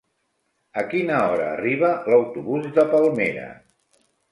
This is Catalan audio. A quina hora arriba l'autobús de Palmera?